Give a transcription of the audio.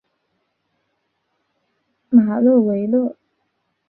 马勒维勒。